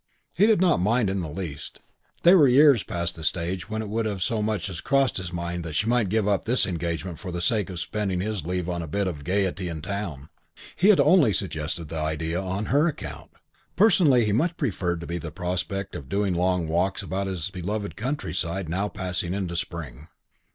He did not mind in the least. They were years past the stage when it would have so much as crossed his mind that she might give up this engagement for the sake of spending his leave on a bit of gaiety in town; he had only suggested the idea on her account; personally he much preferred the prospect of doing long walks about his beloved countryside now passing into spring.